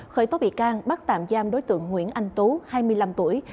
khởi tố bị can bắt tạm giam đối tượng nguyễn anh tú hai mươi năm tuổi